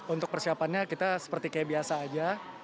untuk persiapannya kita seperti kayak biasa aja